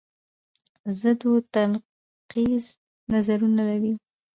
ضد و نقیص نظرونه لري